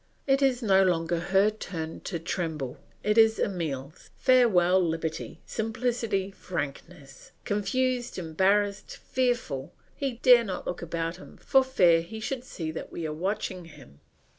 It is no longer her turn to tremble, it is Emile's. Farewell liberty, simplicity, frankness. Confused, embarrassed, fearful, he dare not look about him for fear he should see that we are watching him.